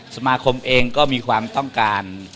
สมาคมเองก็มีความต้องการ